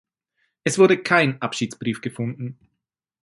Es wurde kein Abschiedsbrief gefunden.